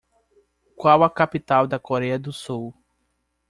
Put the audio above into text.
Qual a capital da Coreia do Sul?